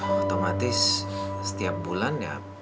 otomatis setiap bulan